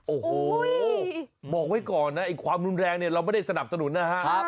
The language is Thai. โอ้โหบอกไว้ก่อนนะไอ้ความรุนแรงเนี่ยเราไม่ได้สนับสนุนนะฮะ